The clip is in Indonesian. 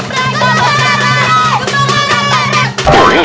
gendong gak bakaran